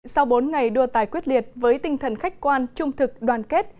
sau bốn ngày đua tài quyết liệt với tinh thần khách quan trung thực đoàn kết